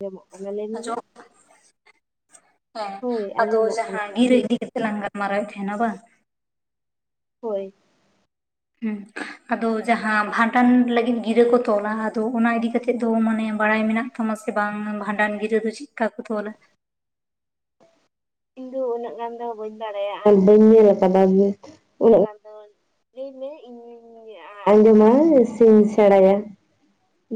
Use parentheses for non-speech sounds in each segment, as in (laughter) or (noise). ᱡᱚᱢᱟᱜ ᱚᱱᱚ ᱞᱟᱹᱭ ᱞᱮᱢᱮ ᱟᱡᱚᱢ ᱦᱮᱸ ᱦᱳᱭ ᱟᱫᱚ ᱟᱸᱡᱚᱢᱚᱜ ᱠᱟᱱᱟ ᱡᱟᱦᱟᱸ ᱜᱤᱨᱟᱹ ᱤᱫᱤ ᱠᱟᱛᱮ ᱞᱟᱝ ᱜᱟᱞᱢᱟᱨᱟᱣ ᱛᱟᱦᱮᱱᱟ ᱵᱟᱝ ᱦᱳᱭ ᱦᱩᱸ-ᱦᱩᱸ ᱟᱫᱚ ᱡᱟᱦᱟᱸ ᱵᱷᱟᱸᱰᱟᱱ ᱞᱟᱹᱜᱤᱫ ᱜᱤᱨᱟᱹ ᱠᱚ ᱛᱚᱞᱟ ᱟᱫᱚ ᱚᱱᱟ ᱤᱫᱤ ᱠᱟᱛᱮᱜ ᱫᱚ ᱢᱟᱱᱮ ᱵᱟᱲᱟᱭ ᱢᱮᱱᱟᱜ ᱛᱟᱢᱟ ᱥᱮ ᱵᱟᱝ ᱵᱷᱟᱸᱰᱟᱱ ᱜᱤᱨᱟᱹ ᱫᱚ ᱪᱮᱫ ᱠᱟ ᱠᱚ ᱛᱚᱞᱟ? ᱤᱧ ᱫᱚ ᱩᱱᱟᱹᱜ ᱜᱟᱱ ᱫᱚ ᱵᱟᱹᱧ ᱵᱟᱲᱟᱭᱟ ᱟᱨ ᱵᱟᱹᱧ ᱧᱮᱞ ᱟᱠᱟᱫᱟ ᱡᱮ ᱩᱱᱟᱹᱜ ᱜᱟᱱ ᱫᱚ ᱞᱟᱹᱭ ᱢᱮ ᱤᱧᱤᱧ ᱟᱸᱡᱚᱢᱟ ᱥᱤᱧ ᱥᱮᱬᱟᱭᱟ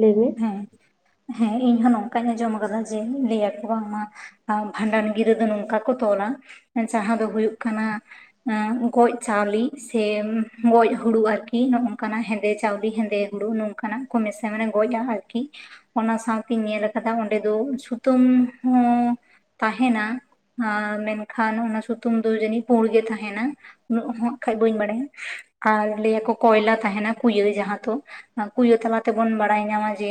ᱞᱟᱹᱭ ᱢᱮ ᱦᱮ ᱦᱮᱸ ᱤᱧᱦᱚ ᱱᱚᱝᱠᱟᱧ ᱟᱸᱡᱚᱢ ᱟᱠᱟᱫᱟ ᱡᱮ ᱞᱟᱹᱭ ᱟᱠᱚ ᱵᱟᱝᱢᱟ ᱵᱷᱟᱸᱰᱟᱱ ᱜᱤᱨᱟᱹ ᱫᱚ ᱱᱚᱝᱠᱟ ᱠᱚ ᱛᱚᱞᱟ ᱡᱟᱦᱟᱸ ᱫᱚ ᱦᱩᱭᱩᱜ ᱠᱟᱱᱟ ᱜᱚᱡ ᱪᱟᱣᱞᱮ ᱥᱮ ᱜᱚᱡ ᱦᱩᱲᱩ ᱟᱨᱠᱤ ᱱᱚᱜ-ᱱᱚᱝᱠᱟᱱᱟᱜ ᱦᱮᱸᱫᱮ ᱪᱟᱣᱞᱤ ᱦᱮᱸᱫᱮ ᱦᱳᱲᱳ ᱱᱚᱝᱠᱟᱱᱟᱜ ᱠᱚ ᱢᱮᱥᱟ ᱢᱟᱱᱮ ᱜᱚᱡᱟᱜ ᱟᱨᱠᱤ ᱚᱱᱟ ᱥᱟᱶᱛᱤᱧ ᱧᱮᱞ ᱟᱠᱟᱫᱟ ᱚᱸᱰᱮ ᱫᱚ ᱥᱩᱛᱟᱹᱢ ᱦᱚᱸ ᱛᱟᱦᱮᱱᱟ ᱟᱨ ᱢᱮᱱᱠᱷᱟᱱ ᱚᱱᱟ ᱥᱩᱛᱚᱢ ᱫᱚ ᱡᱟᱹᱱᱤᱡ ᱯᱩᱲ ᱜᱮ ᱛᱟᱦᱮᱱᱟ ᱩᱱᱟᱹᱜ ᱦᱚᱸ ᱦᱟᱜ ᱠᱷᱟᱡ ᱵᱟᱹᱧ ᱵᱟᱲᱟᱭᱟ ᱟᱨ ᱞᱟᱹᱭᱟᱠᱚ ᱠᱚᱭᱞᱟ ᱛᱟᱦᱮᱱᱟ ᱠᱩᱭᱟᱹ ᱡᱟᱦᱟᱸ ᱫᱚ ᱠᱩᱭᱟᱹ ᱛᱟᱞᱟ ᱛᱮᱵᱚᱱ ᱵᱟᱲᱟᱭ ᱧᱟᱢᱟ ᱡᱮ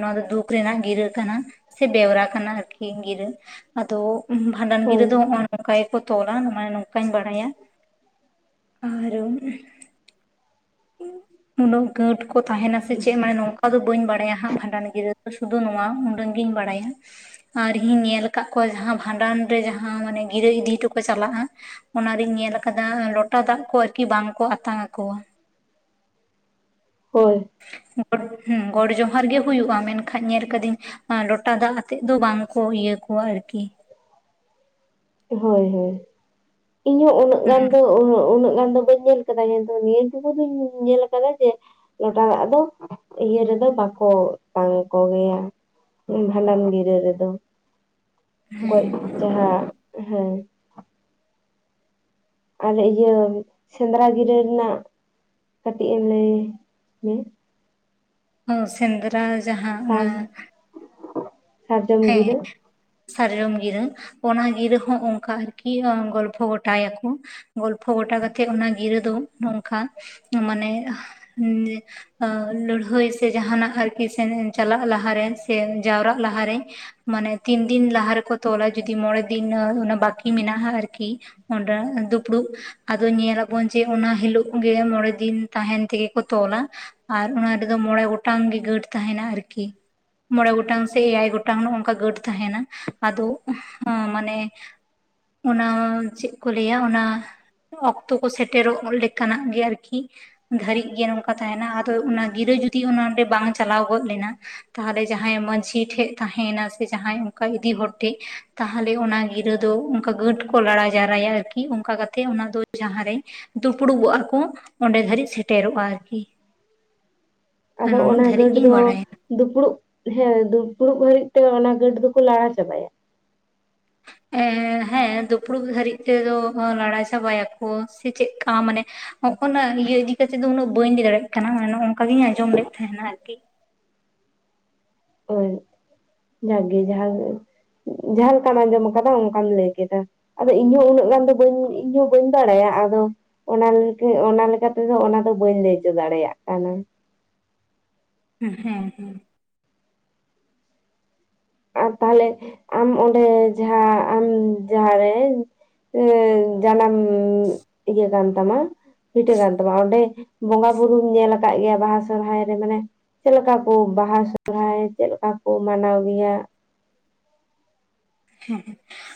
ᱱᱚᱣᱟ ᱫᱚ ᱫᱩᱠ ᱨᱮᱱᱟᱜ ᱜᱤᱨᱟᱹ ᱠᱟᱱᱟ ᱥᱮ ᱵᱮᱣᱨᱟ ᱠᱟᱱᱟ ᱟᱨᱠᱤ ᱜᱤᱨᱟᱹ ᱟᱫᱚ ᱵᱷᱟᱸᱰᱟᱱ ᱜᱤᱨᱟᱹ ᱫᱚ ᱦᱳᱭ ᱱᱚᱜ-ᱚ ᱱᱚᱝᱠᱟ ᱜᱮᱠᱚ ᱛᱚᱞᱟ ᱢᱟᱱᱮ ᱱᱚᱝᱠᱟᱧ ᱵᱟᱲᱟᱭᱟ ᱟᱨ ᱩᱱᱟᱹᱜ ᱜᱟᱹᱴ ᱠᱚ ᱛᱟᱦᱮᱱᱟ ᱥᱮ ᱪᱮᱫ ᱢᱟᱱᱮ ᱱᱚᱝᱠᱟ ᱫᱚ ᱵᱟᱹᱧ ᱵᱟᱲᱟᱭᱟ ᱦᱟᱸᱜ ᱵᱷᱟᱸᱰᱟᱱ ᱜᱤᱨᱟᱹ ᱫᱚ ᱥᱩ ᱫᱩ ᱱᱚᱣᱟ ᱱᱩᱸᱱᱟᱹᱝ ᱜᱤᱧ ᱵᱟᱲᱟᱭᱟ᱾ ᱟᱨ ᱤᱧ ᱧᱮᱞ ᱟᱠᱟᱫ ᱠᱚᱣᱟ ᱡᱟᱦᱟᱸ ᱵᱷᱟᱸᱰᱟᱱ ᱨᱮ ᱡᱟᱦᱟᱸ ᱢᱟᱱᱮ ᱜᱤᱨᱟᱹ ᱤᱫᱤ ᱦᱚᱴᱚ ᱠᱚ ᱪᱟᱞᱟᱜᱼᱟ᱾ ᱚᱱᱟ ᱨᱤᱧ ᱧᱮᱞ ᱟᱠᱟᱫᱟ ᱞᱚᱴᱟ ᱫᱟᱜ ᱠᱚ ᱟᱨᱠᱤ ᱵᱟᱝ ᱠᱚ ᱟᱛᱟᱝ ᱟᱠᱚᱣᱟ ᱾ ᱦᱳᱭ᱾ ᱜᱚᱰ ᱦᱚᱸ ᱜᱚᱰ ᱡᱚᱦᱟᱨ ᱜᱮ ᱦᱩᱭᱩᱜᱼᱟ ᱢᱮᱱᱠᱷᱟᱱ ᱧᱮᱞ ᱠᱟᱹᱫᱟᱹᱧ ᱞᱚᱴᱟ ᱫᱟᱜ ᱟᱛᱮᱜ ᱫᱚ ᱵᱟᱝᱠᱚ ᱤᱭᱟᱹ ᱠᱚᱣᱟ ᱟᱨᱠᱤ, ᱦᱳᱭ ᱦᱳᱭ, ᱤᱧ ᱦᱚ ᱩᱱᱟᱹᱜ ᱜᱟᱱ ᱦᱮᱸ ᱫᱚ ᱩᱱᱟᱹᱜ ᱜᱟᱱ ᱫᱚ ᱵᱟᱹᱧ ᱧᱮᱞ ᱟᱠᱟᱫᱟ ᱠᱤᱱᱛᱩ ᱱᱤᱭᱟᱹ ᱴᱩᱠᱩ ᱫᱩᱧ ᱧᱮᱞ ᱟᱠᱟᱫᱟ ᱡᱮ ᱞᱚᱴᱟ ᱫᱟᱜ ᱫᱚ ᱤᱭᱟᱹ ᱨᱮᱫᱚ ᱵᱟᱠᱚ ᱟᱛᱟᱝ ᱟᱠᱚ ᱜᱮᱭᱟ ᱾ ᱵᱷᱟᱸᱰᱟᱱ ᱜᱤᱨᱟᱹ ᱨᱮᱫᱚ ᱜᱚᱡ ᱡᱟᱦᱟ ᱦᱮᱸ ᱟᱨ ᱤᱭᱟᱹ ᱥᱮᱸᱫᱽᱨᱟ ᱜᱤᱨᱟᱹ ᱨᱮᱱᱟᱜ ᱠᱟᱹᱴᱤᱡ ᱮᱢ ᱞᱟᱹᱭ ᱢᱮ? ᱚ ᱥᱮᱸᱫᱽᱨᱟ ᱡᱟᱦᱟᱸ ᱚᱱᱟ ᱥᱟᱨ ᱥᱟᱨᱡᱚᱢ ᱦᱮᱸ ᱜᱤᱨᱟᱹ ᱥᱟᱨᱡᱚᱢ ᱜᱤᱨᱟᱹ ᱚᱱᱟ ᱜᱤᱨᱟᱹ ᱦᱚᱸ ᱚᱱᱠᱟ ᱟᱨᱠᱤ ᱜᱚᱞᱯᱷᱚ ᱜᱚᱴᱟᱭ ᱟᱠᱚ ᱜᱚᱞᱯᱷᱚ ᱜᱚᱴᱟ ᱠᱟᱛᱮᱜ ᱚᱱᱟ ᱜᱤᱨᱟᱹ ᱫᱚ ᱱᱚᱝᱠᱟ ᱢᱟᱱᱮ ᱞᱟᱹᱲᱦᱟᱹᱭ ᱥᱮ ᱡᱟᱦᱟ ᱱᱟᱜ ᱟᱨᱠᱤ ᱥᱮᱱ ᱪᱟᱞᱟᱜ ᱞᱟᱦᱟᱨᱮ ᱥᱮ ᱡᱟᱣᱨᱟᱜ ᱞᱟᱦᱟᱨᱮ ᱢᱟᱱᱮ ᱛᱤᱱ ᱫᱤᱱ ᱞᱟᱦᱟ ᱨᱮᱠᱚ ᱛᱚᱞᱟ ᱡᱩᱫᱤ ᱢᱚᱬᱮ ᱫᱤᱱ ᱵᱟᱠᱤ ᱢᱮᱱᱟᱜᱼᱟ ᱟᱨᱠᱤ ᱚᱸᱰᱮ ᱫᱩᱯᱲᱩᱵ ᱟᱫᱚ ᱧᱮᱞ ᱟᱵᱚᱱ ᱡᱮ ᱚᱱᱟ ᱦᱤᱞᱳᱜ ᱜᱮ ᱢᱚᱲᱮ ᱫᱤᱱ ᱛᱟᱦᱮᱱ ᱛᱮᱜᱮ ᱠᱚ ᱛᱚᱞᱟ, ᱟᱨ ᱚᱱᱟ ᱨᱮᱫᱚ ᱢᱚᱬᱮ ᱜᱚᱴᱟᱝ ᱜᱮ ᱜᱟᱹᱴ ᱛᱟᱦᱮᱱᱟ ᱟᱨᱠᱤ ᱢᱚᱬᱮ ᱜᱚᱴᱟᱝ ᱥᱮ ᱮᱭᱟᱭ ᱜᱚᱴ (unintelligible) ᱚᱱᱠᱟ ᱜᱟᱹᱴ ᱛᱟᱦᱮᱱᱟ ᱟᱫᱚ ᱢᱟᱱᱮ ᱚᱱᱟ ᱪᱮᱫ ᱠᱚ ᱞᱟᱹᱭᱟ ᱚᱱᱟ ᱚᱠᱛᱚ ᱠᱚ ᱥᱮᱴᱮᱨᱚᱜ ᱞᱮᱠᱟᱱᱟᱜ ᱜᱮ ᱟᱨᱠᱤ ᱫᱷᱟᱹᱨᱤᱡ ᱜᱮ ᱱᱚᱝᱠᱟ ᱛᱟᱦᱮᱱᱟ ᱟᱫᱚ ᱚᱱᱟ ᱜᱤᱨᱟᱹ ᱡᱩᱫᱤ ᱚᱱᱟ ᱟᱸᱰᱮ ᱵᱟᱝ ᱪᱟᱞᱟᱣ ᱜᱚᱫ ᱞᱮᱱᱟ ᱛᱟᱦᱚᱞᱮ ᱡᱟᱦᱟᱭ ᱢᱟᱺᱡᱷᱤ ᱴᱷᱮᱡ ᱛᱟᱸᱦᱮᱱᱟ ᱥᱮ ᱡᱟᱦᱟᱭ ᱚᱱᱠᱟ ᱤᱫᱤ ᱦᱚᱲ ᱴᱷᱮᱡ ᱛᱟᱦᱚᱞᱮ ᱚᱱᱟ ᱜᱤᱨᱟᱹ ᱫᱚ ᱚᱱᱠᱟ ᱜᱟᱹᱴ ᱠᱚ ᱞᱟᱲᱟ ᱡᱟᱣᱨᱟᱭᱟ ᱟᱨᱠᱤ ᱚᱱᱠᱟ ᱠᱟᱛᱮᱜ ᱚᱱᱟ ᱫᱚ ᱡᱟᱦᱟ ᱨᱮ ᱫᱩᱯᱲᱩᱵᱚᱜᱼᱟ ᱠᱚ ᱚᱸᱰᱮ ᱫᱷᱟᱹᱨᱤᱡ ᱥᱮᱴᱮᱨᱚᱜᱼᱟ ᱟᱨᱠᱤ ᱾ ᱟᱨ ᱟᱫᱚ ᱱᱩᱱᱟᱹᱜ ᱚᱱᱟ ᱫᱷᱟᱹᱨᱤᱡ ᱜᱟᱹᱰ ᱜᱤᱧ ᱫᱚ ᱵᱟᱲᱟᱭᱟ ᱾ ᱫᱩᱯᱲᱩᱵ ᱦᱮᱸ ᱫᱩᱯᱲᱩᱵ ᱦᱟᱹᱨᱤᱡ ᱛᱮ ᱚᱱᱟ ᱜᱟᱹᱴ ᱫᱚᱠᱚ ᱞᱟᱲᱟ ᱪᱟᱵᱟᱭᱟ ᱾ ᱮᱸᱻ ᱦᱮᱸ ᱫᱩᱯᱲᱩᱵ ᱫᱷᱟᱹᱨᱤᱡ ᱛᱮᱫᱚ ᱞᱟᱲᱟ ᱪᱟᱵᱟᱭᱟ ᱠᱚ ᱥᱮ ᱪᱮᱫᱠᱟ ᱢᱟᱱᱮ ᱦᱚᱠᱟᱱᱟ ᱤᱭᱟᱹ ᱤᱫᱤ ᱠᱟᱛᱮᱫ ᱫᱚ ᱩᱱᱟᱹᱜ ᱵᱟᱹᱧ ᱞᱟᱹᱭ ᱫᱟᱲᱮᱭᱟᱜ ᱠᱟᱱᱟ ᱢᱟᱱᱮ ᱱᱚᱜ-ᱚ ᱱᱟᱝᱠᱟ ᱜᱤᱧ ᱟᱸᱡᱚᱢ ᱞᱮᱫ ᱛᱟᱦᱮᱱᱟ ᱟᱨᱠᱤ᱾ (unintelligible) ᱡᱟᱜᱮ ᱡᱟᱦᱟᱸᱜ ᱡᱟᱦᱟ ᱞᱮᱠᱟᱢ ᱟᱸᱡᱚᱢ ᱟᱠᱟᱫᱟ ᱚᱱᱠᱟᱢ ᱞᱟᱹᱭ ᱠᱮᱫᱟ ᱾ ᱟᱫᱚ ᱤᱧᱦᱚᱸ ᱩᱱᱟᱹᱜ ᱜᱟᱱ ᱫᱚ ᱤᱧᱦᱚᱸ ᱵᱟᱹᱧ ᱵᱟᱲᱟᱭᱟ ᱟᱫᱚ ᱚᱱᱟ ᱞᱮᱠᱟ ᱚᱱᱟ ᱞᱮᱠᱟ ᱛᱮᱫᱚ ᱚᱱᱟᱫᱚ ᱵᱟᱹᱧ ᱞᱟᱹᱭᱪᱚ ᱫᱟᱲᱮᱭᱟᱜ ᱠᱟᱱᱟ ᱾ ᱦᱸ ᱦᱮᱸ ᱦᱮᱸ ᱾ ᱟᱨ ᱛᱟᱦᱚᱞᱮ ᱟᱢ ᱚᱸᱰᱮ ᱡᱟᱦᱟᱸ ᱟᱢ ᱡᱟᱦᱟᱸᱨᱮ ᱮ ᱡᱟᱱᱟᱢ ᱤᱭᱟᱹ ᱠᱟᱱ ᱛᱟᱢᱟ ᱵᱷᱤᱴᱟᱹ ᱠᱟᱱ ᱛᱟᱢᱟ ᱚᱸᱰᱮ ᱵᱚᱸᱜᱟ ᱵᱩᱨᱩᱢ ᱧᱮᱞ ᱟᱠᱟᱫ ᱜᱮᱭᱟ ᱵᱟᱦᱟ ᱥᱚᱨᱚᱦᱟᱭ ᱨᱮ ᱢᱟᱱᱮ ᱪᱮᱫ ᱞᱮᱠᱟ ᱠᱚ ᱵᱟᱦᱟ ᱥᱚᱨᱚᱦᱟᱭ ᱥᱚᱨᱟᱭ ᱪᱮᱫ ᱞᱮᱠᱟ ᱠᱚ ᱢᱟᱱᱟᱣ ᱜᱮᱭᱟ?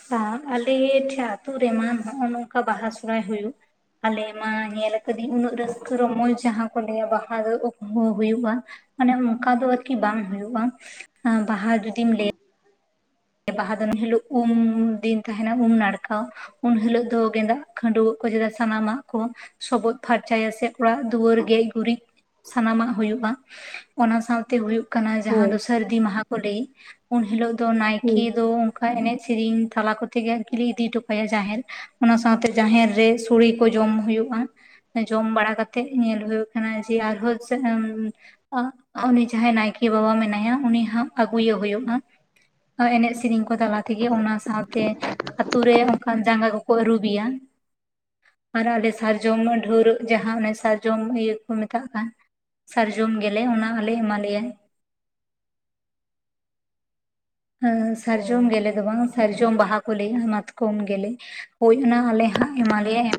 ᱦᱮᱸ ᱟᱞᱮ ᱴᱷᱮᱡ ᱟᱛᱳ ᱨᱮᱢᱟ ᱱᱚᱜᱼᱚ ᱱᱚᱝᱠᱟ ᱵᱟᱦᱟ ᱥᱚᱦᱚᱨᱟᱭ ᱦᱩᱭᱩᱜ ᱟᱞᱮ ᱢᱟ ᱧᱮᱞ ᱟᱠᱟᱫᱤᱧ ᱩᱱᱟᱹᱜ ᱨᱟᱹᱥᱠᱟᱹ ᱨᱚᱢᱚᱡ ᱡᱟᱦᱟᱸ ᱠᱚ ᱞᱟᱹᱭᱟ ᱵᱟᱦᱟ ᱫᱚ ᱦᱚᱸ ᱦᱩᱭᱩᱜᱼᱟ ᱾ ᱢᱟᱱᱮ ᱚᱱᱠᱟ ᱫᱚ ᱟᱨᱠᱤ ᱵᱟᱝ ᱦᱩᱭᱩᱜᱭᱼᱟ ᱵᱟᱦᱟ ᱡᱩᱫᱤᱢ ᱞᱟᱹᱭᱟ ᱾ ᱵᱟᱦᱟ ᱫᱤᱱ ᱦᱤᱞᱳᱜ ᱩᱢ ᱫᱤᱱ ᱛᱟᱦᱮᱱᱟ ᱩᱢ ᱱᱟᱲᱠᱟ ᱩᱱ ᱦᱤᱞᱳᱜ ᱫᱚ ᱜᱮᱸᱫᱟᱜ ᱠᱷᱟᱹᱰᱩᱣᱟᱹᱜ ᱠᱚ ᱪᱮᱫᱟ ᱥᱟᱱᱟᱢᱟᱜ ᱠᱚ ᱥᱚᱵᱚᱫ ᱯᱷᱟᱨᱪᱟᱭᱟ ᱥᱮ ᱚᱲᱟᱜ ᱫᱩᱣᱟᱹᱨ ᱜᱮᱡ ᱜᱩᱨᱤᱡ ᱥᱟᱱᱟᱢᱟᱜ ᱦᱩᱭᱩᱜᱼᱟ ᱚᱱᱟ ᱥᱟᱶᱛᱮ ᱦᱩᱭᱩᱜ ᱠᱟᱱᱟ ᱡᱟᱦᱟᱸ ᱦᱳᱭ ᱫᱚ ᱥᱟᱹᱨᱫᱤ ᱢᱟᱦᱟ ᱠᱚ ᱞᱟᱹᱭ ᱩᱱ ᱦᱤᱞᱳᱜ ᱫᱚ ᱦᱩᱸ ᱱᱟᱭᱠᱮ ᱫᱚᱼᱼ ᱚᱱᱠᱟ ᱮᱱᱮᱡ ᱥᱮᱨᱮᱧ ᱛᱟᱞᱟ ᱠᱚᱛᱮᱜ ᱜᱮ, ᱟᱨᱠᱤ ᱞᱮ ᱤᱫᱤ ᱦᱚᱴᱚ ᱠᱟᱭᱟ ᱡᱟᱦᱮᱨ ᱾ ᱚᱱᱟ ᱥᱟᱶᱛᱮ ᱡᱟᱦᱮᱨ ᱨᱮ ᱥᱩᱲᱤ ᱠᱚ ᱡᱚᱢ ᱦᱩᱭᱩᱜᱼᱟ ᱾ ᱡᱚᱢ ᱵᱟᱲᱟ ᱠᱟᱛᱮᱜ ᱧᱮᱞ ᱦᱩᱭᱩᱜ ᱠᱟᱱᱟ ᱡᱮ ᱟᱨ ᱦᱚᱸ ᱡᱮᱼᱼ ᱩᱸᱩᱱᱤ ᱡᱟᱦᱟᱸᱭ ᱱᱟᱭᱠᱮ ᱵᱟᱵᱟ ᱢᱮᱱᱟᱭᱟ ᱩᱱᱤ ᱦᱟᱸ ᱟᱹᱜᱩᱭᱮ ᱦᱩᱭᱩᱜᱼᱟ ᱾ ᱮᱱᱮᱡ ᱥᱮᱨᱮᱧ ᱠᱚ ᱛᱟᱞᱟ ᱛᱮᱜᱮ ᱚᱱᱟ ᱥᱟᱶᱛᱮᱼᱼ ᱟᱛᱩ ᱨᱮ ᱚᱱᱠᱟᱱ ᱡᱟᱸᱜᱟ ᱠᱚᱠᱚ ᱟᱹᱨᱩᱵᱮᱭᱟ ᱾ ᱟᱨ ᱟᱞᱮ ᱥᱟᱨᱡᱚᱢ ᱰᱷᱣᱨᱟᱹᱜ ᱡᱟᱦᱟᱸ ᱚᱱᱮ ᱥᱟᱨᱡᱚᱢ ᱤᱭᱟᱹ ᱠᱚ ᱢᱮᱛᱟᱜ ᱠᱟᱱᱼᱼ ᱥᱟᱨᱡᱚᱢ ᱜᱮᱞᱮ ᱚᱱᱟ ᱟᱞᱮ ᱮᱢᱟᱞᱮᱭᱟ ᱾ ᱥᱟᱨᱡᱚᱢ ᱜᱮᱞᱮ ᱫᱚ ᱵᱟᱝ ᱥᱟᱨᱡᱚᱢ ᱵᱟᱦᱟ ᱠᱚ ᱞᱟᱹᱭᱟ ᱢᱟᱛᱠᱚᱢ ᱜᱮᱞᱮ ᱾ ᱦᱳᱭ ᱚᱱᱟ ᱟᱞᱮ ᱦᱟᱸᱜ ᱮᱢᱟᱞᱮᱭᱟᱭ ᱾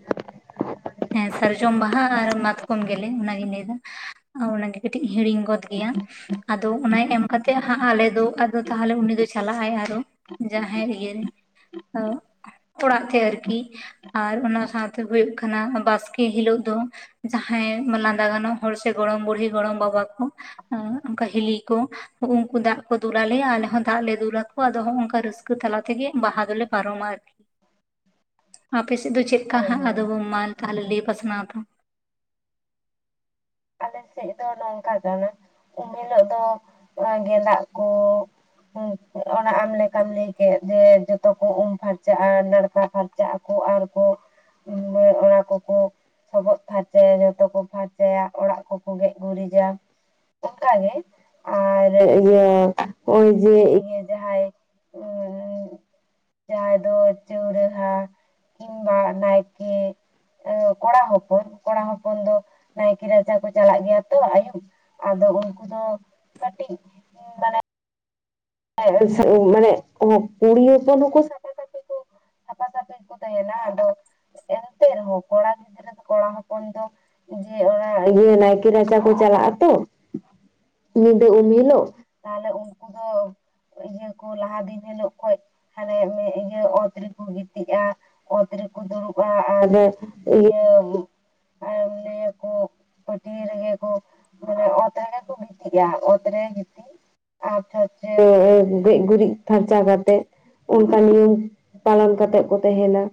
ᱦᱮᱸ ᱥᱟᱨᱡᱚᱢ ᱵᱟᱦᱟ ᱟᱨ ᱢᱟᱛᱠᱚᱢ ᱜᱮᱞᱮ ᱚᱱᱟᱜᱤᱧ ᱞᱟᱹᱭ ᱮᱫᱟ ᱚᱱᱟᱜᱮ ᱾ ᱠᱟᱹᱴᱤᱡ ᱤᱧ ᱦᱤᱲᱤᱧ ᱜᱚᱫ ᱜᱮᱭᱟ ᱟᱫᱚ ᱚᱱᱟ ᱮᱢ ᱠᱟᱛᱮ ᱟᱞᱮ ᱫᱚᱼᱼ ᱛᱟᱦᱚᱞᱮ ᱩᱱᱤ ᱫᱚᱭ ᱪᱟᱞᱟᱜᱼᱟᱭ ᱟᱨᱚ ᱡᱟᱦᱟᱭ ᱤᱭᱟᱹ ᱨᱮᱼᱼ ᱚᱲᱟᱜ ᱛᱮ ᱟᱨᱠᱤ, ᱟᱨ ᱚᱱᱟ ᱥᱟᱣᱛᱮ ᱦᱩᱭᱩᱜ ᱠᱟᱱᱟ ᱵᱟᱥᱠᱮ ᱦᱤᱞᱳᱜ ᱫᱚᱼᱼ ᱡᱟᱦᱟᱸᱭ ᱞᱟᱸᱫᱟ ᱜᱟᱱᱚᱜ ᱦᱚᱲ ᱥᱮ ᱜᱚᱲᱚᱢ ᱵᱩᱲᱦᱤ ᱜᱚᱲᱚᱢ ᱵᱟᱵᱟ ᱠᱚᱼᱼ ᱚᱱᱠᱟ ᱦᱤᱞᱤ ᱠᱚ ᱩᱱᱠᱩ ᱫᱟᱜ ᱠᱚ ᱫᱩᱞ ᱟᱞᱮᱭᱟ ᱾ ᱟᱞᱮᱼᱼ ᱫᱟᱜ ᱞᱮ ᱫᱩᱞᱟᱠᱚᱭᱟ ᱟᱫᱚ ᱦᱚᱜᱼᱚ ᱚᱱᱠᱟ ᱨᱟᱹᱥᱠᱟᱹ ᱛᱟᱞᱟ ᱛᱮᱜᱮ ᱵᱟᱦᱟ ᱫᱚᱞᱮ ᱯᱟᱨᱚᱢᱟ ᱟᱨᱠᱤ ᱾ ᱟᱯᱮ ᱥᱮᱫ ᱫᱚ ᱪᱮᱫᱞᱮᱠᱟ ᱦᱳᱭ ᱦᱟᱸᱜ ᱦᱳᱭ ᱟᱫᱚ ᱢᱟ ᱛᱟᱦᱞᱮ ᱞᱟᱹᱭ ᱯᱟᱥᱱᱟᱣ ᱛᱟᱢ? ᱟᱞᱮ ᱥᱮᱫ ᱫᱚ ᱱᱚᱝᱠᱟ ᱠᱟᱱᱟ ᱩᱢ ᱦᱤᱞᱳᱜ ᱫᱚ ᱚᱱᱟ ᱜᱮᱸᱫᱟᱜ ᱠᱚᱼᱼ ᱦᱮᱸ ᱚᱱᱟ ᱟᱢ ᱞᱮᱠᱟᱢ ᱞᱟᱹᱭ ᱠᱮᱫ ᱡᱮ ᱡᱚᱛᱚ ᱠᱚ ᱩᱢ ᱯᱷᱟᱨᱪᱟᱜᱼᱟ ᱱᱟᱲᱠᱟ ᱯᱷᱟᱨᱼᱼ ᱪᱟᱜ ᱟᱠᱚ ᱟᱨᱠᱚᱼᱼ ᱚᱱᱮ ᱚᱱᱟ ᱠᱚᱠᱚ ᱥᱚᱵᱚᱫ ᱯᱷᱟᱨᱪᱟᱭᱟ ᱡᱚᱛᱚ ᱠᱚ ᱯᱷᱟᱨᱪᱟᱭᱟ ᱾ ᱚᱲᱟᱜ ᱠᱚᱠᱚ ᱜᱮᱡ ᱜᱩᱨᱤᱡᱟ ᱾ ᱚᱱᱠᱟᱜᱮ ᱟᱨ ᱤᱭᱟᱹ ᱱᱚᱜᱼᱚᱭ ᱡᱮ ᱤᱭᱟᱹ ᱡᱟᱦᱟᱸᱭᱼᱼ ᱡᱟᱦᱟᱸᱭ ᱫᱚ ᱪᱟᱣᱨᱟᱹ ᱦᱟᱴ ᱾ ᱠᱤᱱᱵᱟ ᱱᱟᱭᱠᱮ ᱠᱚᱲᱟ ᱦᱚᱯᱚᱱ, ᱠᱚᱲᱟ ᱦᱚᱯᱚᱱ ᱫᱚᱼᱼ ᱠᱤ ᱨᱟᱪᱟ ᱠᱚ ᱪᱟᱞᱟᱜ ᱜᱮᱭᱟ ᱛᱚ ᱟᱭᱩᱵ ᱟᱫᱚ ᱩᱱᱠᱩ ᱫᱚ ᱠᱟᱹᱴᱤᱡᱼᱼ ᱢᱟᱱᱮ ᱠᱩᱲᱤ ᱦᱚᱯᱚᱱ ᱦᱚᱸᱠᱚ ᱥᱟᱯᱷᱟ ᱥᱟᱯᱷᱤ ᱠᱚᱼᱼ ᱥᱟᱯᱷᱟ ᱥᱟᱯᱷᱤ ᱠᱚ ᱛᱟᱦᱮᱱᱟ ᱾ ᱟᱫᱚᱼᱼ ᱮᱱᱛᱮ ᱨᱮᱦᱚᱸ ᱠᱚᱲᱟ ᱜᱤᱫᱽᱨᱟᱹ ᱫᱚ ᱠᱚᱲᱟ ᱦᱚᱯᱚᱱ ᱫᱚᱼᱼ ᱡᱮ ᱚᱱᱟ ᱤᱭᱟᱹ ᱱᱟᱭᱠᱮ ᱨᱟᱪᱟ ᱠᱚ ᱪᱟᱞᱟᱜᱼᱟ ᱛᱚ ᱾ ᱧᱤᱫᱟᱹ ᱩᱱ ᱦᱤᱞᱚᱜ ᱛᱟᱦᱞᱮ ᱩᱝᱠᱩ ᱫᱚᱼᱼ ᱤᱭᱟᱹ ᱠᱚ ᱞᱟᱦᱟ ᱫᱤᱱ ᱦᱤᱞᱳᱜ ᱠᱷᱚᱱ ᱦᱟᱱᱮ ᱤᱭᱟᱹ ᱚᱛ ᱨᱮᱠᱚ ᱜᱤᱛᱤᱡᱼᱟ ᱾ ᱚᱛ ᱨᱮᱠᱚ ᱫᱩᱲᱩᱵᱼᱟ, ᱟᱨ ᱤᱭᱟᱹᱼᱼ ᱟᱨ ᱞᱟᱹᱭᱟᱹᱠᱚ ᱯᱟᱹᱴᱭᱟᱹ ᱨᱮᱜᱮ ᱠᱚᱼᱼ ᱢᱟᱱᱮ ᱚᱛ ᱨᱮᱜᱮ ᱠᱚ ᱜᱤᱛᱤᱡᱼᱟ, ᱚᱛᱨᱮ ᱜᱤᱛᱤᱡ ᱟᱨᱼᱼ ᱜᱮᱡ ᱜᱩᱨᱤᱡ ᱯᱷᱟᱨᱪᱟ ᱠᱟᱛᱮᱜ ᱚᱱᱠᱟ ᱱᱤᱭᱚᱢᱼᱼ ᱯᱟᱞᱚᱱ ᱠᱟᱛᱮᱜ ᱠᱚ ᱛᱟᱦᱮᱸᱱᱟ,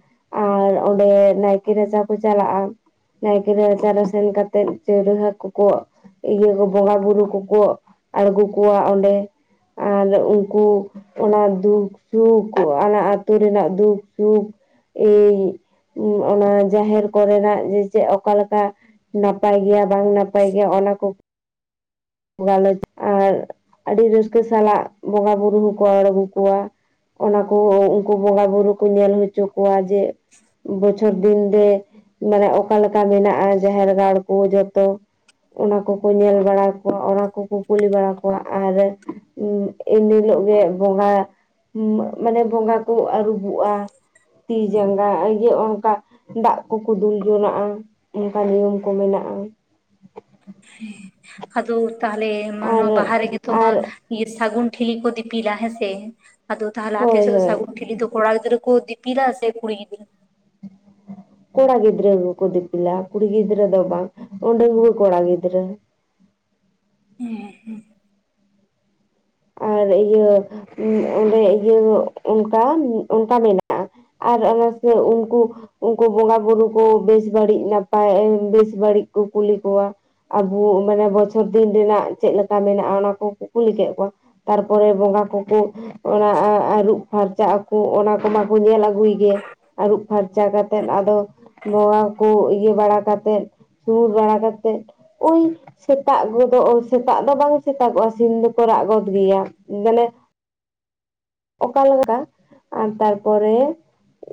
ᱟᱨ ᱚᱸᱰᱮ ᱱᱟᱭᱠᱮ ᱨᱟᱪᱟ ᱠᱚ ᱪᱟᱞᱟᱜᱼᱟ ᱾ ᱱᱟᱭᱠᱮ ᱨᱟᱪᱟ ᱨᱮ ᱥᱮᱱ ᱠᱟᱛᱮᱫ ᱪᱟᱹᱨᱟᱹᱦᱟ ᱠᱚᱠᱚᱼᱼ ᱤᱭᱟᱹ ᱠᱚ ᱵᱚᱸᱜᱟ ᱵᱩᱨᱩ ᱠᱚᱠᱚ ᱟᱬᱜᱚ ᱠᱚᱣᱟ ᱚᱸᱰᱮ ᱾ ᱟᱨ ᱩᱱᱠᱩ ᱚᱱᱟ ᱫᱷᱩᱠ ᱥᱩᱠᱷ ᱚᱱᱟ ᱟᱹᱛᱩ ᱨᱮᱱᱟᱜ ᱫᱩᱠ ᱥᱩᱠᱷᱼᱼ ᱤᱧ ᱚᱱᱟ ᱡᱟᱦᱮᱨ ᱠᱚᱨᱮ ᱱᱟᱜ ᱡᱮ ᱪᱮᱫ ᱚᱠᱟ ᱞᱮᱠᱟᱼᱼ ᱱᱟᱯᱟᱭ ᱜᱮᱭᱟ ᱵᱟᱝ ᱱᱟᱯᱟᱭ ᱜᱮᱭᱟ ᱚᱱᱟ ᱠᱚᱼᱼ ᱜᱟᱞᱚᱪ ᱟᱨ ᱟᱹᱰᱤ ᱨᱟᱹᱥᱠᱟᱹ ᱥᱟᱞᱟᱜ ᱵᱚᱸᱜᱟ ᱵᱩᱨᱩ ᱦᱚᱸᱠᱚ ᱨᱚᱲ ᱟᱬᱜᱳ ᱠᱚᱣᱟ, ᱚᱱᱟᱠᱚ ᱩᱱᱠᱩ ᱵᱚᱸᱜᱟ ᱵᱩᱨᱩ ᱠᱚ ᱧᱮᱞ ᱦᱚᱪᱚ ᱠᱚᱣᱟ ᱡᱮ ᱵᱚᱪᱷᱚᱨ ᱫᱤᱱ ᱨᱮ ᱢᱮᱱᱟᱜ ᱚᱠᱟ ᱞᱮᱠᱟ ᱢᱮᱱᱟᱜᱼᱟ ᱡᱟᱦᱮᱨ ᱜᱟᱲ ᱠᱚ ᱡᱚᱛᱚ, ᱚᱱᱟ ᱠᱚᱠᱚ ᱧᱮᱞ ᱵᱟᱲᱟ, ᱚᱱᱟ ᱠᱚᱠᱚ ᱠᱩᱞᱤ ᱵᱟᱲᱟ ᱠᱚᱣᱟ ᱟᱨ ᱮᱱ ᱦᱤᱞᱳᱜ ᱜᱮ ᱵᱚᱸᱜᱟ, ᱢᱟᱱᱮ ᱵᱚᱸᱜᱟ ᱠᱚ ᱟᱹᱨᱩᱵᱚᱜᱼᱟ᱾ ᱛᱤ ᱡᱟᱸᱜᱟ ᱤᱭᱟᱹ ᱚᱱᱠᱟ ᱫᱟᱜ ᱠᱚᱠᱚ ᱫᱩᱞ ᱡᱚᱱᱟᱜᱼᱟ᱾ ᱚᱱᱠᱟ ᱱᱤᱭᱚᱢ ᱠᱚ ᱢᱮᱱᱟᱜ-ᱟ᱾ ᱦᱮᱸ ᱟᱫᱚ ᱛᱟᱦᱚᱞᱮ ᱟᱨ ᱚᱱᱱᱟᱜ ᱵᱟᱦᱟ ᱨᱮᱜᱮ ᱛᱚᱢᱟ, ᱟᱨ ᱥᱟᱹᱜᱩᱱ ᱴᱷᱤᱞᱤ ᱠᱚ ᱫᱤᱯᱤᱞᱟ ᱦᱮᱸᱥᱮ ᱟᱫᱚ ᱛᱟᱦᱚᱞᱮ ᱟᱯᱮ ᱦᱳᱭ ᱥᱮᱫ ᱦᱳᱭ ᱥᱟᱹᱜᱩᱱ ᱴᱷᱤᱞᱤ ᱫᱚ ᱠᱚᱲᱟ ᱜᱤᱫᱽᱨᱟᱹ ᱠᱚ ᱫᱤ ᱯᱤᱞᱟ ᱥᱮ ᱠᱩᱲᱤ ᱜᱤᱫᱽᱨᱟᱹ? ᱠᱚᱲᱟ ᱜᱤᱫᱽᱨᱟᱹ ᱜᱮᱠᱚ ᱫᱤᱯᱤᱞᱟ ᱠᱩᱲᱤ ᱜᱤᱫᱽᱨᱟᱹ ᱫᱚ ᱵᱟᱝ ᱚ ᱰᱟᱺᱜᱽᱣᱟᱹ ᱠᱚᱲᱟ ᱜᱤᱫᱽᱨᱟᱹ᱾ ᱦᱮᱸ ᱦᱮᱸ᱾ ᱟᱨ ᱤᱭᱟᱹ ᱚᱸᱰᱮ ᱤᱭᱟᱹ ᱚᱱᱠᱟ ᱚᱱᱠᱟ ᱢᱮᱱᱟᱜᱼᱟ᱾ ᱟᱨ ᱚᱱᱟ ᱥᱮ ᱩᱱᱠᱩ, ᱩᱝᱠᱩ ᱵᱚᱸᱜᱟ ᱵᱩᱨᱩ ᱠᱩ ᱵᱟᱹᱲᱤᱡ ᱱᱟᱯᱟᱭ ᱵᱮᱥ ᱵᱟᱹᱲᱤᱡ ᱠᱚ ᱠᱩᱞᱤ ᱠᱚᱣᱟ ᱾ ᱟᱵᱚ ᱢᱟᱱᱮ ᱵᱚᱪᱷᱚᱨ ᱫᱤᱱ ᱨᱮᱱᱟᱜ ᱪᱮᱫ ᱞᱮᱠᱟ ᱢᱮᱱᱟᱜᱼᱟ ᱚᱱᱟ ᱠᱚ ᱠᱚ ᱠᱩᱞᱤ ᱠᱮᱫ ᱠᱚ ᱛᱟᱨᱯᱚᱨᱮ ᱵᱚᱸᱜᱟ ᱠᱚᱠᱚ, ᱚᱱᱟ ᱟᱸ ᱟᱹᱨᱩᱵ ᱯᱷᱟᱨᱪᱟ ᱟᱠᱚ ᱚᱱᱟ ᱠᱚᱢᱟ ᱠᱚ ᱧᱮᱞ ᱟᱹᱜᱩᱭ ᱜᱮ, ᱟᱹᱨᱩᱵ ᱯᱷᱟᱨᱪᱟ ᱠᱟᱛᱮᱫ ᱟᱫᱚ ᱱᱚᱣᱟ ᱠᱚ ᱤᱭᱟᱹ ᱵᱟᱲᱟ ᱠᱟᱛᱮᱫ, ᱥᱩᱨ ᱵᱟᱲᱟ ᱠᱟᱛᱮᱫ, ᱳᱭ ᱥᱮᱛᱟᱜ ᱜᱚᱫᱚᱜ ᱥᱮᱛᱟᱜ ᱫᱚ ᱵᱟᱝ ᱥᱮᱛᱟᱜᱚᱜᱼᱟ ᱥᱤᱢ ᱫᱚ ᱠᱚ ᱨᱟᱜ ᱜᱚᱫ, ᱜᱮᱭᱟ ᱢᱟᱱᱮ, ᱚᱠᱟ ᱞᱮᱠᱟ ᱟᱨ ᱛᱟᱨᱯᱚᱨᱮ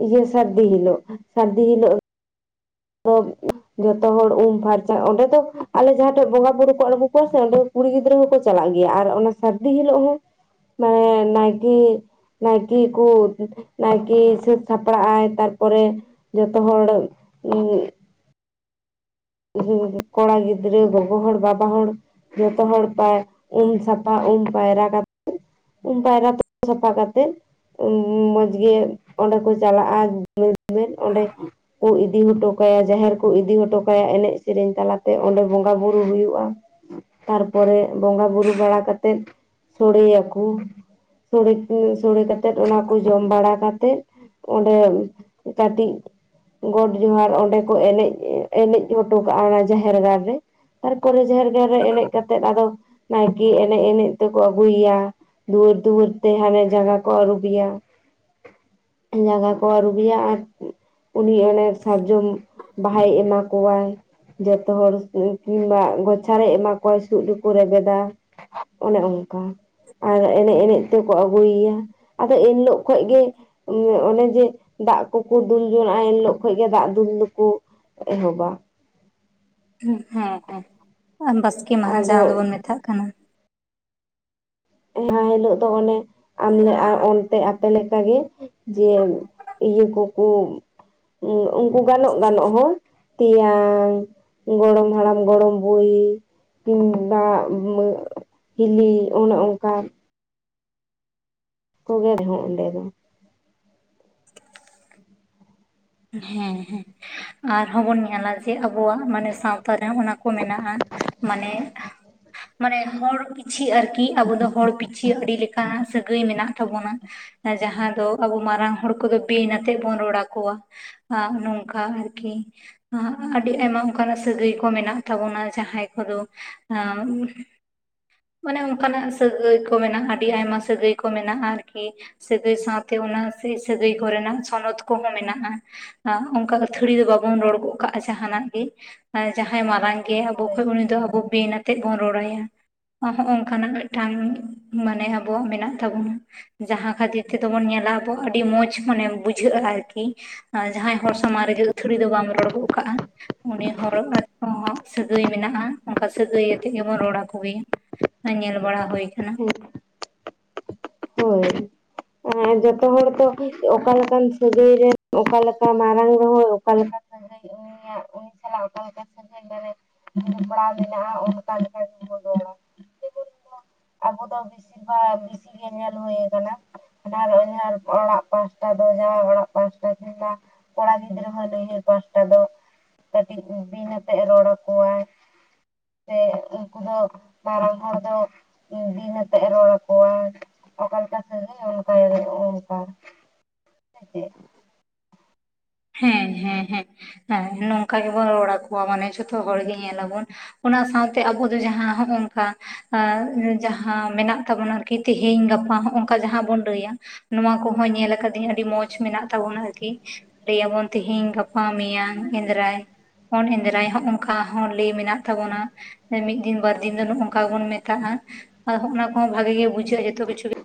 ᱤᱭᱟᱹ ᱥᱟᱹᱨᱫᱤ ᱦᱤᱞᱳᱜ ᱥᱟᱹᱨᱫᱤ ᱦᱤᱞᱳᱜ, ᱡᱚᱛᱚ ᱦᱚᱲ ᱩᱢ ᱯᱷᱟᱨᱪᱟ ᱚᱸᱰᱮ ᱫᱚ ᱟᱞᱮ ᱡᱟᱦᱟᱸ ᱴᱷᱮᱡ ᱵᱚᱸᱜᱟ ᱵᱩᱨᱩ ᱠᱚ ᱟᱬᱜᱚ ᱠᱚᱣᱟ ᱥᱮ ᱚᱸᱰᱮ, ᱠᱩᱲᱤ ᱜᱤᱫᱽᱨᱟᱹ ᱦᱚᱸ ᱠᱚ ᱪᱟᱞᱟᱜ ᱜᱮᱭᱟ ᱟᱨ ᱚᱱᱟ ᱥᱟᱹᱨᱫᱤ ᱦᱤᱞᱳᱜ ᱦᱚᱸ ᱱᱟ ᱱᱟᱭᱠᱮ, ᱱᱟᱭᱠᱮ ᱠᱚ ᱱᱟᱭᱠᱮ ᱥᱟᱯᱲᱟᱜᱼᱟᱭ ᱛᱟᱨᱯᱚᱨᱮ, ᱡᱷᱚᱛᱚ ᱦᱚᱲ ᱩᱸᱜ, ᱡᱮ ᱠᱚᱲᱟ ᱜᱤᱫᱽᱨᱟᱹ ᱜᱚᱜᱚ ᱦᱚᱲ ᱵᱟᱵᱟ ᱦᱚᱲ, ᱡᱷᱚᱛᱚ ᱦᱚᱲ ᱯᱮ ᱩᱢ ᱥᱟᱯᱷᱟ ᱩᱢ ᱯᱟᱭᱨᱟ ᱠᱟ ᱩᱢ ᱯᱟᱭᱨᱟ ᱛᱳᱯᱳ ᱥᱟᱯᱷᱟ ᱠᱟᱛᱮᱫ, ᱢᱚᱸᱡᱽ ᱜᱮ ᱚᱸᱰᱮ ᱠᱚ ᱪᱟᱞᱟᱜᱼᱟ (unintelligible) ᱚᱸᱰᱮ ᱠᱚ ᱤᱫᱤ ᱦᱚᱴᱚ ᱠᱟᱭᱟ ᱡᱟᱦᱮᱨ ᱠᱚ ᱤᱫᱤ ᱡᱚᱴᱚ, ᱠᱟᱭᱟ ᱮᱱᱮᱡ ᱥᱮᱨᱮᱧ ᱛᱟᱞᱟᱛᱮ ᱚᱸᱰᱮ ᱵᱚᱸᱜᱟ ᱵᱩᱨᱩ ᱦᱩᱭᱩᱜᱼᱟ᱾ ᱛᱟᱨᱯᱚᱨᱮ ᱵᱚᱸᱜᱟ ᱵᱩᱨᱩ ᱵᱟᱲᱟ ᱠᱟᱛᱮᱫ ᱥᱚᱲᱮᱭ ᱟᱠᱚ, ᱥᱚᱲᱮ ᱠᱩ ᱥᱚᱲᱮ ᱠᱟᱛᱮᱫ ᱚᱱᱟ ᱠᱚ ᱡᱚᱢ ᱵᱟᱲᱟ ᱠᱟᱛᱮᱫ, ᱚᱸᱰᱮ ᱠᱟᱹᱴᱤᱡ ᱜᱚᱸᱰ ᱡᱚᱦᱟᱨ ᱚᱸᱰᱮ ᱠᱚ ᱮᱱᱮᱡ, ᱮᱱᱮᱡ ᱦᱚᱴᱚ ᱠᱟᱜᱼᱟ ᱚᱱᱟ ᱡᱟᱦᱮᱨ ᱜᱟᱲ ᱨᱮ ᱛᱟᱨᱯᱚᱨᱮ ᱡᱟᱦᱮᱨ ᱜᱟᱲ ᱨᱮ ᱮᱱᱮᱢ ᱠᱟᱛᱮᱫ ᱟᱫᱚ ᱱᱟᱭ ᱠᱮ ᱮᱱᱮᱡ ᱮᱱᱮᱡ ᱛᱮᱠᱠᱚ ᱟᱹᱜᱩᱭᱮᱭᱟ᱾ ᱫᱩᱣᱟᱹᱨ ᱫᱩᱣᱟᱹᱨ ᱛᱮ ᱦᱟᱸᱜ ᱡᱟᱸᱜᱟ ᱠᱚ ᱟᱹᱨᱩᱵ ᱮᱭᱟ ᱾ ᱛᱤ ᱡᱟᱸᱜᱟ ᱠᱚ ᱟᱹᱨᱩᱵ ᱮᱭᱟ ᱟᱨ ᱩᱱᱤ ᱚᱱᱟ ᱥᱟᱨᱢᱚᱢ ᱵᱟᱦᱟᱭ ᱮᱢᱟ᱾ ᱠᱚᱣᱟ ᱡᱷᱚᱛᱚ ᱦᱚᱲ ᱠᱤᱢᱵᱟ ᱜᱚᱪᱷᱟ ᱨᱮ ᱮᱢᱟ ᱠᱚᱣᱟᱭ ᱥᱩᱫ ᱨᱮᱠᱚ ᱨᱮᱵᱮᱫᱟ᱾ ᱚᱱᱮ ᱚᱱᱠᱟ ᱟᱨ ᱮᱱᱮᱡ ᱮᱱᱮᱡ ᱛᱮᱠᱚ ᱟᱹᱜᱩᱭᱮᱭᱟ᱾ ᱟᱫᱚ ᱮᱱ ᱦᱤᱞᱳᱜ ᱠᱷᱚᱡᱽ ᱜᱮ, ᱚᱱᱮ ᱡᱮ ᱫᱟᱜ ᱠᱚᱠᱚ ᱫᱩᱞ ᱡᱚᱝᱟᱜ ᱮᱱ ᱦᱤᱞᱚᱜ ᱠᱷᱚᱡᱽ ᱜᱮ ᱫᱟᱜ ᱫᱩᱞ ᱫᱚᱠᱤᱱ, ᱮᱦᱚᱵᱟ, ᱦᱮᱸ ᱦᱮᱸ, ᱵᱟᱥᱠᱮ ᱢᱟᱦᱟ ᱟᱫᱚ ᱡᱟᱦᱟᱸ ᱫᱚᱵᱚᱱ ᱢᱮᱛᱟᱜ ᱠᱟᱱᱟ᱾ ᱚᱱᱟ ᱦᱤᱞᱳᱜ ᱫᱚ ᱚᱱᱮ, ᱟᱢᱞᱮ ᱟᱨ ᱚᱱᱛᱮ ᱟᱯᱮ ᱞᱮᱠᱟ ᱜᱮ ᱡᱮ ᱤᱭᱟᱹ ᱠᱚᱠᱚ, ᱩᱝᱠᱩ ᱜᱟᱱᱚᱜ ᱜᱟᱱᱚᱜ ᱦᱚᱲ ᱛᱮᱭᱟᱝ, ᱜᱚᱲᱚᱢ ᱦᱟᱲᱟᱢ, ᱜᱚᱲᱚᱢ ᱵᱩᱲᱤ ᱠᱤᱢᱵᱟ (inaudible) ᱦᱤᱞᱤ ᱚᱱᱮ ᱚᱝᱠᱟ, ᱠᱚᱜᱮ ᱨᱮᱦᱚᱸ ᱚᱸᱰᱮ ᱫᱚ᱾ ᱦᱮᱸ ᱦᱮᱸ, ᱟᱨᱦᱚᱸ ᱵᱚᱱ ᱧᱮᱞᱟ ᱡᱮ ᱟᱵᱚᱣᱟᱜ ᱢᱟᱱᱮ ᱥᱟᱶᱛᱟ ᱨᱮ ᱚᱱᱟ ᱠᱚ ᱢᱮᱱᱟᱜᱼᱟ, ᱢᱟᱱᱮ ᱢᱟᱱᱮ ᱦᱚᱲ ᱯᱤᱪᱷᱤ ᱟᱨᱠᱤ ᱟᱵᱚ ᱫᱚ ᱦᱚᱲ ᱯᱤᱪᱷᱤ ᱟᱹᱰᱤ ᱞᱮᱠᱟᱱ ᱥᱟᱹᱜᱟᱹᱭ ᱢᱮᱱᱟᱜ ᱛᱟᱵᱚᱱᱟ᱾ ᱟᱨ ᱡᱟᱦᱟᱸ ᱫᱚ ᱟᱵᱚ ᱢᱟᱨᱟᱝ ᱦᱚᱲ ᱠᱚᱫᱚ ᱵᱤᱱ ᱟᱛᱮᱜ ᱵᱚᱱ ᱨᱚᱲ ᱟᱠᱚᱣᱟ, ᱟᱸ ᱱᱚᱝᱠᱟ ᱟᱨᱠᱤ᱾ ᱟᱹᱰᱤ ᱟᱭᱢᱟ ᱚᱝᱠᱟᱱᱟᱜ ᱥᱟᱹᱜᱟᱹᱭ ᱠᱚ ᱦᱚᱸ ᱢᱮᱱᱟᱜ ᱛᱟᱵᱚᱱᱟ ᱡᱟᱦᱟᱸᱭ ᱠᱚᱫᱚ (inaudible) ᱢᱟᱱᱮ ᱚᱝᱠᱟᱱᱟᱜ ᱥᱟᱹᱜᱟᱹᱭ ᱠᱚ ᱢᱮᱱᱟᱜᱼᱟ ᱟᱹᱰᱤ ᱟᱭᱢᱟ ᱥᱟᱹᱜᱟᱹᱭ ᱠᱚ ᱢᱮᱱᱟᱜᱼᱟ ᱟᱨᱠᱤ, ᱥᱟᱹᱜᱟᱹᱭ ᱥᱟᱶᱛᱮ ᱚᱱᱟ ᱥᱟᱹᱦᱤ ᱥᱟᱹᱜᱟᱹᱭ ᱠᱚ ᱨᱮᱱᱟᱜ ᱪᱷᱚᱱᱚᱛ ᱠᱚᱦᱚᱸ ᱢᱮᱱᱟᱜᱼᱟ᱾ (unintelligible) ᱚᱝᱠᱟ ᱟᱹᱛᱷᱟᱹᱲᱤ ᱫᱚ ᱵᱟᱵᱚᱱ ᱨᱚᱲ ᱜᱚᱜ ᱠᱟᱜᱼᱟ ᱡᱟᱦᱟᱸᱱᱟᱜ ᱜᱮ, ᱡᱟᱦᱟᱸᱭ ᱢᱟᱨᱟᱝ ᱜᱮ ᱟᱵᱚ ᱦᱳᱭ ᱠᱷᱚᱡ ᱩᱱᱤ ᱫᱚ ᱟᱵᱚ ᱵᱮᱱ ᱟᱛᱮᱜ ᱵᱚᱱ ᱨᱚᱲᱟᱭᱟ᱾ ᱦᱚᱸᱜ-ᱚ ᱚᱝᱠᱟᱱᱟᱜ ᱢᱤᱫᱴᱟᱝ ᱢᱟᱱᱮ ᱟᱵᱚᱣᱟᱜ ᱢᱮᱱᱟᱜ ᱛᱟᱵᱚᱱᱟ᱾ ᱡᱟᱦᱟᱸ ᱠᱷᱟᱹᱛᱤᱨ ᱛᱮᱫᱚ ᱵᱚᱱ ᱧᱮᱞᱟ ᱟᱵᱚ ᱟᱹᱰᱤ ᱢᱚᱸᱡᱽ ᱢᱚᱱᱮ ᱵᱩᱡᱷᱟᱹᱜᱼᱟ ᱟᱨᱠᱤ, ᱟᱸ ᱡᱟᱦᱟᱸᱭ ᱦᱚᱲ ᱥᱟᱢᱟᱝ ᱨᱮᱜᱮ ᱟᱹᱛᱷᱟᱹᱲᱤ ᱫᱚ ᱵᱟᱢ ᱨᱚᱲ ᱜᱚᱫ ᱠᱟᱜᱼᱟ, ᱩᱱᱤ ᱦᱚᱲ (inaudible) ᱥᱟᱹᱜᱟᱹᱭ ᱢᱮᱱᱟᱜᱼᱟ, ᱚᱝᱠᱟ ᱥᱟᱹᱜᱟᱹᱭ ᱟᱛᱮᱜ ᱜᱮᱵᱚᱱ ᱨᱚᱲ ᱟᱠᱚ ᱜᱮ᱾ ᱚᱱᱮ ᱧᱮᱞ ᱵᱟᱲᱟ ᱦᱳᱭ ᱠᱟᱱᱟ᱾ (inaudible) (inaudible) ᱢᱟᱱᱮ ᱡᱚᱛᱚ ᱦᱚᱲ ᱛᱚ ᱚᱠᱟ ᱞᱮᱠᱟᱱ ᱥᱟᱹᱜᱟᱹᱭ ᱨᱮ ᱚᱠᱟ ᱞᱮᱠᱟ ᱢᱟᱨᱟᱝ ᱨᱮᱦᱚᱸᱭ ᱚᱠᱟ ᱞᱮᱠᱟ ᱥᱟᱹᱜᱟᱹᱭ ᱩᱱᱤᱭᱟᱜ ᱩᱱᱤ ᱥᱟᱞᱟᱜ ᱚᱠᱟ ᱞᱮᱠᱟ ᱥᱟᱹᱜᱟᱹᱭ (inaudible) ᱡᱚᱯᱲᱟᱣ ᱢᱮᱱᱟᱜᱼᱟ ᱚᱝᱠᱟ ᱞᱮᱠᱟ ᱜᱮᱵᱚᱱ ᱨᱚᱲᱟ᱾ (inaudible) ᱟᱵᱚ ᱫᱚ ᱵᱮᱥᱤᱨ ᱵᱷᱟᱜ ᱵᱤᱥᱤ ᱜᱮ ᱧᱮᱞ ᱦᱳᱭ ᱟᱠᱟᱱᱟ (inaudible) ᱚᱲᱟᱜ ᱯᱟᱥᱴᱟ ᱫᱚ, ᱡᱟᱶᱟᱭ ᱚᱲᱟᱜ ᱯᱟᱥᱴᱟ ᱠᱤᱱᱰᱟ ᱠᱚᱲᱟ ᱜᱤᱫᱽᱨᱟᱹ ᱦᱚᱸ ᱱᱟᱭᱦᱟᱹᱨ ᱯᱟᱥᱴᱟ ᱫᱚ, ᱠᱟᱹᱴᱤᱡ ᱫᱚ ᱵᱤᱱ ᱟᱛᱮᱜ ᱮ ᱨᱚᱲ ᱟᱠᱚᱣᱟᱭ, ᱥᱮ ᱩᱝᱠᱩ ᱫᱚ ᱢᱟᱨᱟᱝ ᱦᱚᱲ ᱫᱚ ᱵᱤᱱ ᱟᱛᱮᱜ ᱮ ᱨᱚᱲ ᱟᱠᱚᱣᱟ᱾ ᱚᱠᱟ ᱞᱮᱠᱟ ᱥᱟᱹᱜᱟᱹᱭ ᱚᱱᱠᱟ (inaudible) ᱚᱝᱠᱟ, (inaudible) ᱦᱮᱸ ᱦᱮᱸ ᱦᱮᱸ᱾ ᱦᱮᱸ ᱱᱚᱝᱠᱟ ᱜᱮᱵᱚᱱ ᱨᱚᱲ ᱟᱠᱚᱣᱟ ᱢᱟᱱᱮ ᱡᱷᱚᱛᱚ ᱦᱚᱲ ᱜᱮ ᱧᱮᱞᱟᱵᱚᱱ, ᱚᱱᱟ ᱥᱟᱶᱛᱮ ᱟᱵᱚ ᱫᱚ ᱡᱟᱦᱟᱸ ᱦᱚᱸᱜ-ᱚ ᱱᱚᱝᱠᱟ ᱟᱺ ᱡᱟᱦᱟᱸ ᱢᱮᱱᱟᱜ ᱛᱟᱵᱚᱱᱟ ᱟᱨᱠᱤ ᱛᱮᱦᱮᱧ ᱜᱟᱯᱟ ᱦᱚᱸᱜ-ᱟ ᱚᱝᱠᱟ ᱡᱟᱦᱟᱸ ᱵᱚᱱ ᱞᱟᱹᱭᱟ᱾ ᱱᱚᱣᱟ ᱠᱚᱦᱚ ᱧᱮᱞ ᱟᱠᱟᱫᱟᱹᱧ ᱟᱹᱰᱤ ᱢᱚᱸᱡᱽ ᱢᱮᱱᱟᱜ ᱛᱟᱵᱚ ᱵᱚᱱᱟ ᱟᱨᱠᱤ, ᱞᱟᱹᱭᱟᱵᱚᱱ ᱛᱮᱦᱮᱧ, ᱜᱟᱯᱟ, ᱢᱮᱭᱟᱝ, ᱮᱸᱫᱽᱨᱟᱭ᱾ ᱚᱱ ᱮᱸᱫᱽᱨᱟᱭ ᱦᱚᱸ ᱚᱱᱠᱟ ᱦᱚᱸ ᱞᱟᱹᱭ ᱢᱮᱱᱟᱜ ᱛᱟᱵᱚᱱᱟ, ᱢᱤᱫ ᱫᱤᱱ, ᱵᱟᱨ ᱫᱤᱱ ᱫᱚ ᱱᱚᱜ-ᱚ ᱱᱚᱝᱠᱟ ᱜᱮᱵᱚᱱ ᱢᱮᱛᱟᱜᱼᱟ, ᱟᱨᱦᱚᱸ ᱚᱱᱟ ᱠᱚᱦᱚᱸ ᱵᱷᱟᱜᱤ ᱜᱮ ᱵᱩᱡᱷᱟᱹᱜᱼᱟ ᱡᱚᱛᱚ ᱠᱤᱪᱷᱩ ᱜᱮ